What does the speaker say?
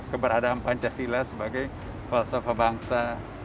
keberadaan pancasila sebagai falsafah bangsa